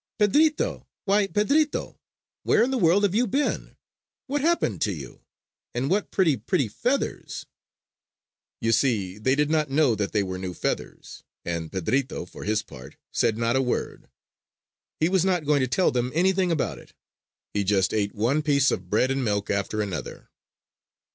"Pedrito! Why Pedrito! Where in the world have you been? What happened to you? And what pretty, pretty feathers!" You see, they did not know that they were new feathers; and Pedrito, for his part, said not a word. He was not going to tell them anything about it. He just ate one piece of bread and milk after another.